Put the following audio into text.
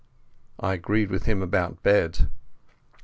I agreed with him about bed.